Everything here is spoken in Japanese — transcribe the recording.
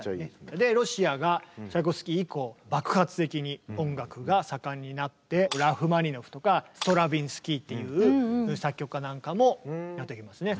でロシアがチャイコフスキー以降爆発的に音楽が盛んになってラフマニノフとかストラヴィンスキーっていう作曲家なんかもやってきますね。